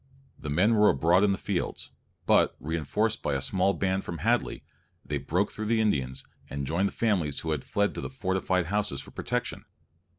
The men were abroad in the fields, but, reinforced by a small band from Hadley, they broke through the Indians, and joined the families who had fled to the fortified houses for protection.